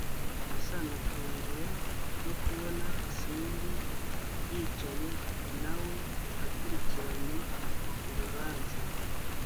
gusa natunguwe no kubona simbi yicaye nawe akurikiranye urubanza